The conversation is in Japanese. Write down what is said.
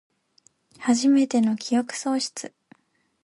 はじめての記憶喪失